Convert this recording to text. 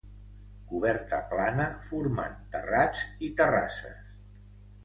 Coberta plana formant terrats i terrasses.